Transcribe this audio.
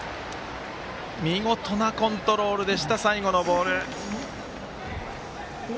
見事なコントロールでした最後のボール。